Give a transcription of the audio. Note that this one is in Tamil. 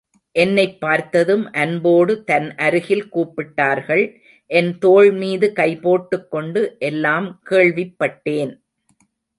என்னைப் பார்த்ததும் அன்போடு தன் அருகில் கூப்பிட்டார்கள், என் தோள்மீது கை போட்டுக் கொண்டு எல்லாம் கேள்விப் பட்டேன்.